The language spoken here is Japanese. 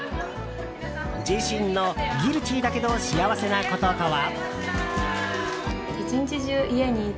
自身の、ギルティだけど幸せなこととは。